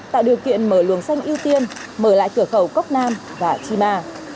tạo điều kiện mở luồng xanh ưu tiên mở lại cửa khẩu cốc nam và chi ma